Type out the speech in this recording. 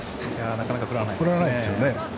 なかなか振らないですね。